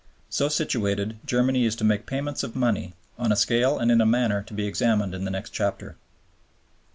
So situated, Germany is to make payments of money, on a scale and in a manner to be examined in the next chapter.